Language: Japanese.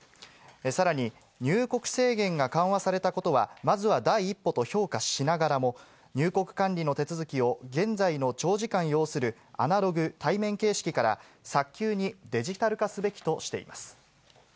さらに、入国制限が緩和されたことは、まずは第一歩と評価しながらも、入国管理の手続きを現在の長時間要するアナログ・対面形式から早急にデジタル化すべきとしています。